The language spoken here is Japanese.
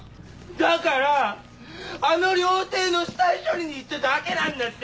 だからあの料亭の死体処理に行っただけなんだって！